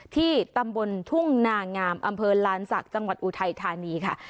ที่ตำบลทุ่งนางามอำเภอลานศักดิ์จังหวัดอุทัยธานีค่ะ